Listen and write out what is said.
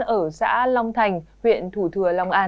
ở xã long thành huyện thủ thừa long an